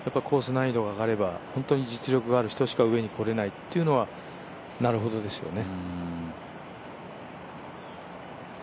難易度が上がれば本当に実力がある人しか上に来られないというのはなるほどですよね。